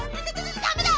ダメだ！